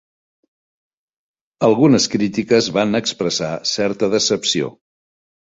Algunes crítiques van expressar certa decepció.